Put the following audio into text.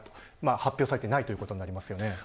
発表されていないということになります。